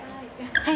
はい。